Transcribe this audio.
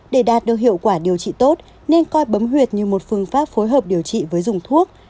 để đạt được hiệu quả điều trị tốt nên coi bấm huyệt như một phương pháp phối hợp điều trị với dùng thuốc